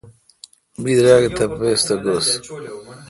بدرآگ اے° تپیس تھہ گؙس۔